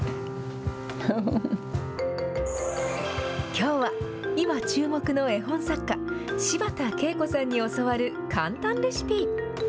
きょうは、今注目の絵本作家、柴田ケイコさんに教わる簡単レシピ。